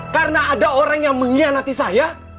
karena ada orang yang mengkhianati saya